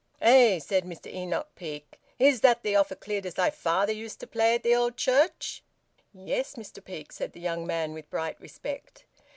"Eh!" said Mr Enoch Peake. "Is that the ophicleide as thy father used to play at th' owd church?" "Yes, Mr Peake," said the young man, with bright respect.